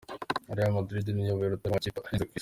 Real Madrid niyo iyoboye urutonde rw' amakipe ahenze ku isi.